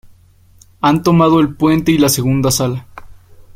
Han tomado el puente y la segunda sala.